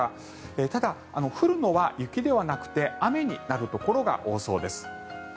ただ、降るのは雪ではなくて雨になるところが多そうです。